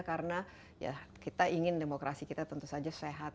karena kita ingin demokrasi kita sehat